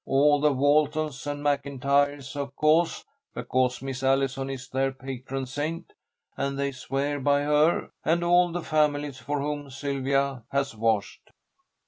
All the Waltons and MacIntyres, of co'se, because Miss Allison is their patron saint, and they swear by her, and all the families for whom Sylvia has washed."